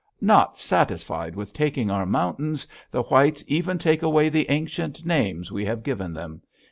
Not satisfied with taking our mountains, the whites even take away the ancient names we have given them!